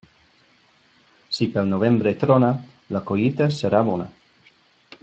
Si pel novembre trona, la collita serà bona.